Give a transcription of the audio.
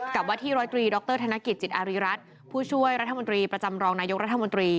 กับวัตถี๑๐๓ดรธนกิจิตอาริรัติผู้ช่วยรัฐมนตรีประจำรองนายกรรธมนตรี